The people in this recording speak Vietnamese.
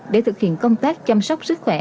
để thực hiện công tác chăm sóc sức khỏe